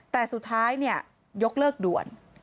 แต่สุดท้ายยกเลิกด่วน